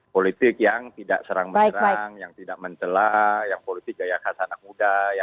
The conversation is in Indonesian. politik yang tidak serang menyerang yang tidak mencelak yang politik gaya khas anak muda